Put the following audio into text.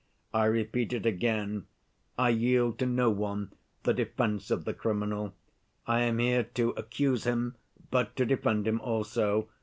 I repeat it again, I yield to no one the defense of the criminal. I am here to accuse him, but to defend him also.